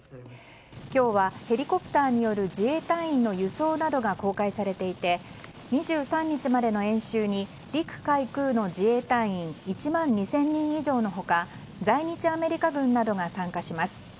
今日はヘリコプターによる自衛隊員の輸送などが公開されていて２３日までの演習に陸海空の自衛隊員１万２０００人以上の他在日アメリカ軍などが参加します。